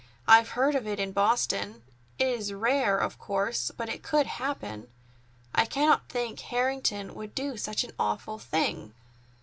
I've heard of it in Boston. It is rare, of course, but it could happen. I cannot think Harrington would do such an awful thing."